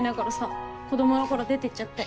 子供のころ出てっちゃって。